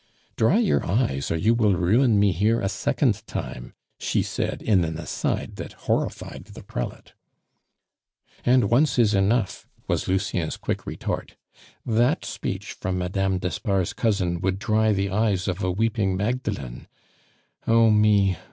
"Dry your eyes, or you will ruin me here a second time," she said in an aside that horrified the prelate. "And once is enough," was Lucien's quick retort. "That speech from Mme. d'Espard's cousin would dry the eyes of a weeping Magdalene. Oh me!